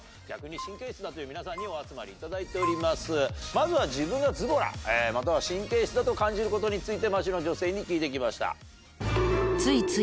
まずは自分がズボラまたは神経質だと感じることについて街の女性に聞いてきました。